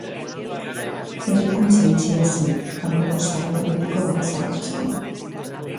Eraikuntza itxia zen, kanpoko zaratarekiko babesa lortzeko.